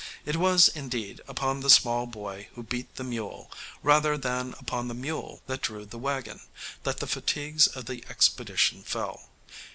It was, indeed, upon the Small Boy who beat the mule, rather than upon the mule that drew the wagon, that the fatigues of the expedition fell.